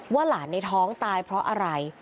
หลานในท้องตายเพราะอะไร